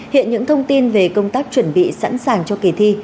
hiện những thông tin về công tác chuẩn bị sẵn sàng cho kỳ thi